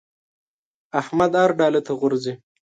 احمد هر ډاله ته غورځي.